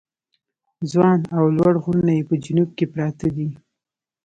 ځوان او لوړ غرونه یې په جنوب کې پراته دي.